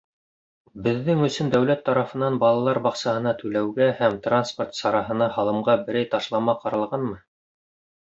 Беҙҙең өсөн дәүләт тарафынан балалар баҡсаһына түләүгә һәм транспорт сараһына һалымға берәй ташлама ҡаралғанмы?